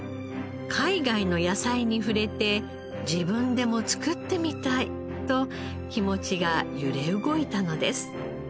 海外の野菜に触れて自分でも作ってみたいと気持ちが揺れ動いたのです。